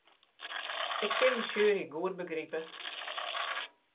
Ik kin de sjuery goed begripe.